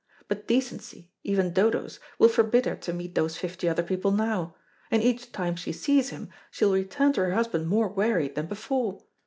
But decency, even Dodo's, will forbid her to meet those fifty other people now. And each time she sees him, she will return to her husband more wearied than before.